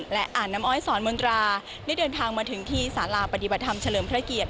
และอ่านน้ำอ้อยสอนมนตราได้เดินทางมาถึงที่สาราปฏิบัติธรรมเฉลิมพระเกียรติ